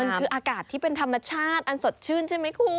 มันคืออากาศที่เป็นธรรมชาติอันสดชื่นใช่ไหมคุณ